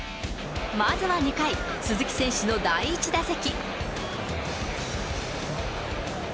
まずは２回、鈴木選手の第１打席。